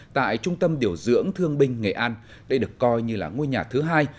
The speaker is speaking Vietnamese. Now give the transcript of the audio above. tại trung tâm điều dưỡng thương binh nghệ an đây được coi như là ngôi nhà thứ hai